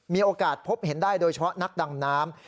มีโอกาสพบเห็นได้โดยเฉพาะนักดำน้ำ